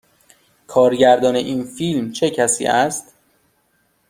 کارگردان این فیلم چه کسی است؟